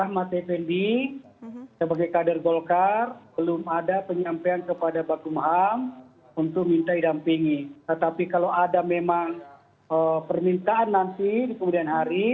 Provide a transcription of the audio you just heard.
maka pak bung ham akan menyiapkan